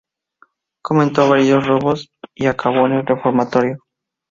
Cometió varios robos y acabó en el reformatorio.